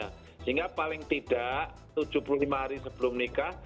sehingga paling tidak tujuh puluh lima hari sebelum nikah